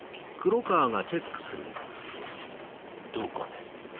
どうかね？